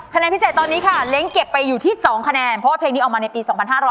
แนนพิเศษตอนนี้ค่ะเล้งเก็บไปอยู่ที่๒คะแนนเพราะว่าเพลงนี้ออกมาในปี๒๕๖๐